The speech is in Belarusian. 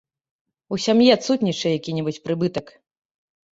У сям'і адсутнічае які-небудзь прыбытак.